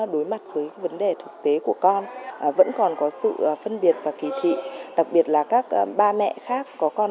đồng thời góp phần tác động